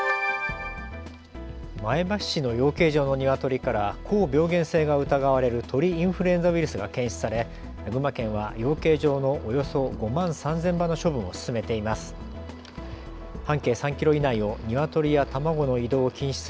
前橋市の養鶏場のニワトリから高病原性が疑われる鳥インフルエンザウイルスが検出され群馬県は養鶏場のおよそ５万３０００羽の処分を進めています。